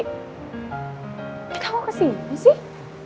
kita mau kesini sih